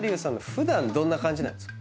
普段どんな感じなんですか？